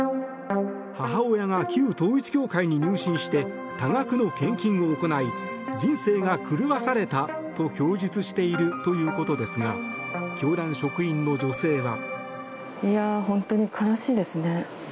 母親が旧統一教会に入信して多額の献金を行い人生が狂わされたと供述しているということですが教団職員の女性は。